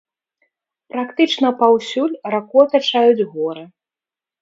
Практычна паўсюль раку атачаюць горы.